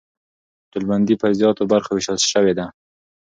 ډلبندي پر زیاتو برخو وېشل سوې ده.